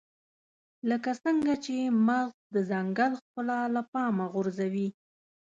لکه څنګه چې مغز د ځنګل ښکلا له پامه غورځوي.